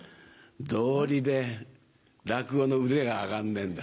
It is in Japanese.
道理で落語の腕が上がんねえんだ。